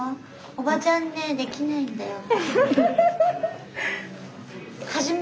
おばちゃんねできないんだよ。